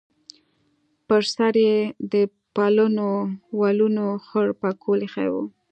پر سر یې د پلنو ولونو خړ پکول ایښی و.